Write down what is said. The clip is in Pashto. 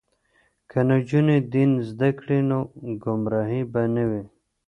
که نجونې دین زده کړي نو ګمراهي به نه وي.